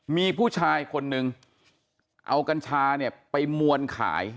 มีผู้ชายคนนึงเอากัญชาเนี่ยไปมวลขาย